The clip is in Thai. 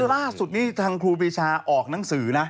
ล่าสุดนี้ทางครูปีชาออกหนังสือนะ